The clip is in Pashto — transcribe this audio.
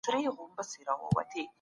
په جګړه کي مرهټيانو ته څه زیان ورسېد؟